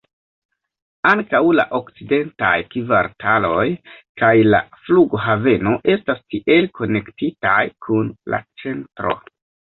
Ankaŭ la okcidentaj kvartaloj kaj la flughaveno estas tiel konektitaj kun la centro.